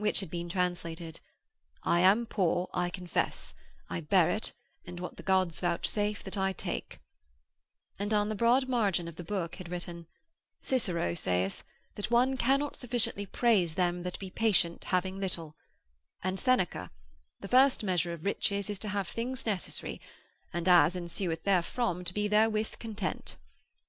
_' Which had been translated: 'I am poor, I confess; I bear it, and what the gods vouchsafe that I take' and on the broad margin of the book had written: 'Cicero sayeth: That one cannot sufficiently praise them that be patient having little: And Seneca: The first measure of riches is to have things necessary and, as ensueth therefrom, to be therewith content!'